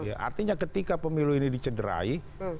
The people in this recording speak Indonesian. artinya ketika pemilu ini dicederai